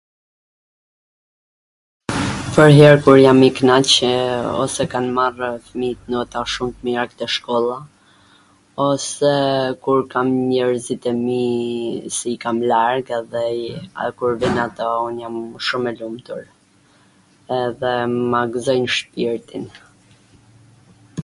nganjwher kur jam i knaq, ose kan marr fmijt nota shum t mira te shkolla ose kur kam njerzit e mi si i kam larg edhe kur vin ato un jam shum e lumtur edhe ma gwzojn shpirtin